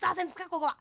ここは。